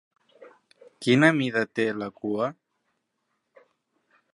Quina mida té la cua?